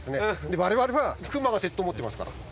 我々はクマが鉄塔持ってますから。